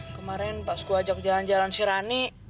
kemarin pas gue ajak jalan jalan si rani